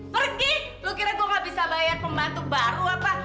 pergi lu kira gue gak bisa bayar pembantu baru apa